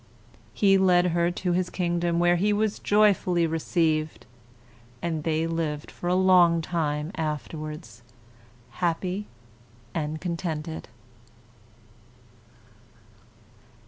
He led her to his kingdom, where he was joyfully received, and they lived for a long time afterwards, happy and contented.